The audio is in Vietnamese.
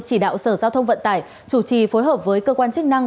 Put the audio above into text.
chỉ đạo sở giao thông vận tải chủ trì phối hợp với cơ quan chức năng